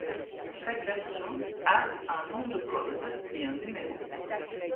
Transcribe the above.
Chaque version a un nom de code et un numéro.